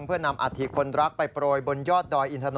เพื่อนำอาธิคนรักไปโปรยบนยอดดอยอินทนน